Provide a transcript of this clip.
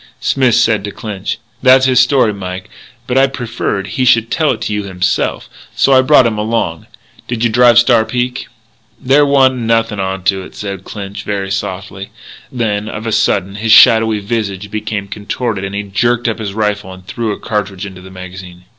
Smith said to Clinch: "That's his story, Mike. But I preferred he should tell it to you himself, so I brought him along.... Did you drive Star Peak?" "There wa'nt nothin' onto it," said Clinch very softly. Then, of a sudden, his shadowy visage became contorted and he jerked up his rifle and threw a cartridge into the magazine.